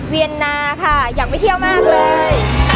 เวียนนาค่ะอยากไปเที่ยวมากเลย